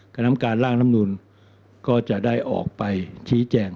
กรรมการร่างลำนูลก็จะได้ออกไปชี้แจง